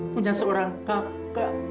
punya seorang kakak